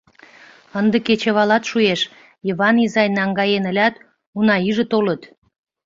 Ынде кечывалат шуэш, Йыван изай наҥгаен ылят, уна иже толыт.